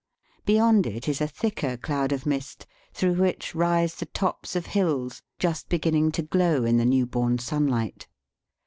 Beyond it is a thicker cloud of mist through which rise the tops of hills, just beginning to glow in the new bom sunlight.